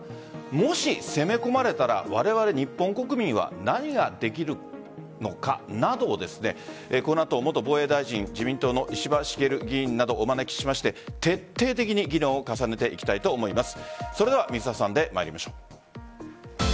もし攻め込まれたらわれわれ日本国民は何ができるのか？などこの後、元防衛大臣自民党の石破茂議員などをお招きしまして徹底的に議論を重ねていきたいと思います。